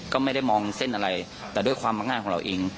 ก็ไม่ได้มองเส้นอะไรแต่ด้วยความมักง่ายของเราเอง